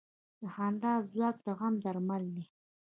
د خندا ځواک د غم درمل دی.